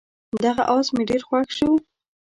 دغه اس مې ډېر خوښ شو.